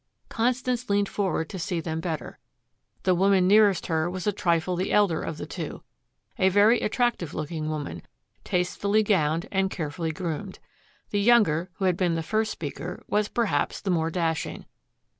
Constance leaned forward to see them better. The woman nearest her was a trifle the elder of the two, a very attractive looking woman, tastefully gowned and carefully groomed. The younger, who had been the first speaker, was, perhaps, the more dashing.